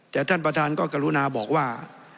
แต่ท่านประธานก็กรุณาบอกว่า